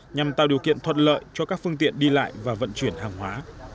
nhằm tạo điều kiện thuận lợi cho các phương tiện đi lại và vận chuyển hàng hóa